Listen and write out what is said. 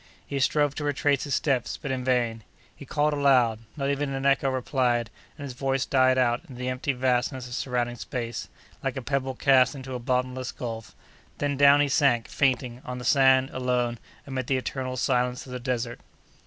He strove to retrace his steps, but in vain. He called aloud. Not even an echo replied, and his voice died out in the empty vastness of surrounding space, like a pebble cast into a bottomless gulf; then, down he sank, fainting, on the sand, alone, amid the eternal silence of the desert.